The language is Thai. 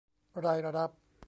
รายรับ